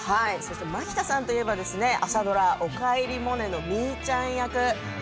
蒔田さんといえば朝ドラ「おかえりモネ」のみーちゃん役